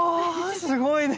すごいね。